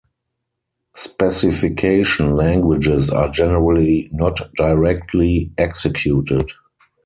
Specification languages are generally not directly executed.